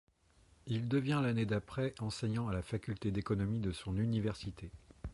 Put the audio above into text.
Il devient l'année d'après enseignant à la faculté d'économie de son université.